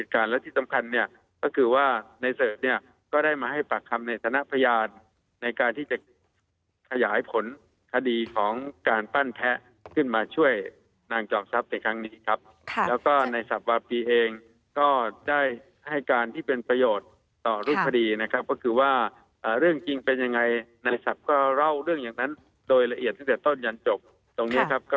การและที่สำคัญเนี่ยก็คือว่าในเสิร์ฟเนี่ยก็ได้มาให้ปากคำในฐานะพยานในการที่จะขยายผลคดีของการปั้นแพ้ขึ้นมาช่วยนางจอมทรัพย์ในครั้งนี้ครับแล้วก็ในสับวาปีเองก็ได้ให้การที่เป็นประโยชน์ต่อรูปคดีนะครับก็คือว่าเรื่องจริงเป็นยังไงในศัพท์ก็เล่าเรื่องอย่างนั้นโดยละเอียดตั้งแต่ต้นยันจบตรงนี้ครับก็